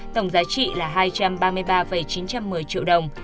tổng giá trị là hai trăm ba mươi ba chín trăm một mươi triệu đồng